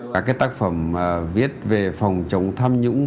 các tác phẩm viết về phòng chống tham nhũng